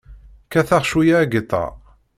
Kkateɣ cweyya agiṭar.